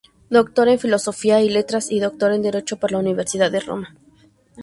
Doctor en Filosofía y Letras y Doctor en Derecho por la Universidad de Roma.